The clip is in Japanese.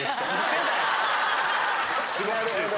素晴らしいです。